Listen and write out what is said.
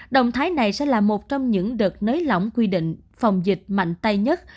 động thái này sẽ là một trong những đợt nới lỏng quy định phòng dịch mạnh tay nhất